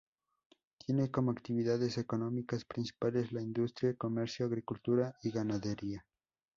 Tiene como actividades económicas principales la industria, comercio, agricultura y ganadería.